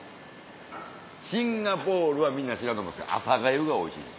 シンガポールはみんな知らんと思いますけど朝粥がおいしい。